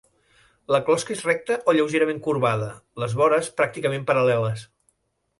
La closca és recta o lleugerament corbada, les vores pràcticament paral·leles.